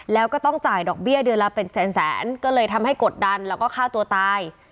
แล้วก็ต้องจ่ายดอกเบี้ยเดือนละเป็นแสนแสนก็เลยทำให้กดดันแล้วก็ฆ่าตัวตาย